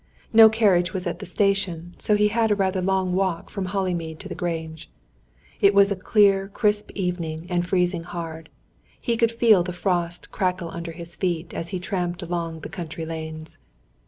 No carriage was at the station, so he had a rather long walk from Hollymead to the Grange. It was a clear, crisp evening and freezing hard. He could feel the frost crackle under his feet, as he tramped along the country lanes.